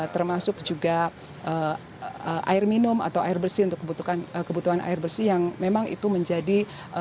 termasuk juga air minum atau air bersih untuk kebutuhan air bersih yang memang itu menjadi